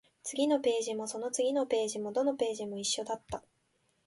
次のページも、その次のページも、どのページも一緒だった